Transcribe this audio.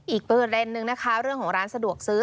อีกเพื่อเริ่มหนึ่งหลวงของร้านสะดวกซื้อ